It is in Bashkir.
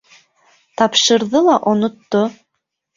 Тапшырҙы ла онотто.